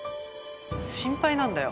心配なんだよ。